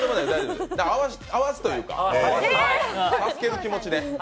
合わすというか、助ける気持ちで。